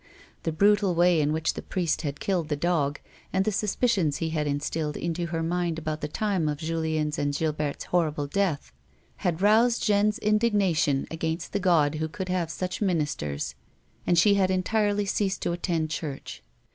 The brutal way in which the priest had killed the dog, and the suspicions he had instilled into her mind about the time of Julien's and Gilberte's horrible death, had roused Jeanne's indignation against the God Who could have such ministers, and she had entirely ceased to attend church.